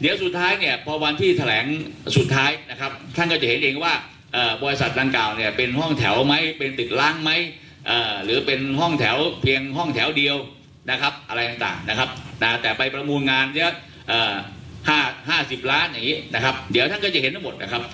เดี๋ยวท่านก็จะเห็นทั้งหมดนะครับ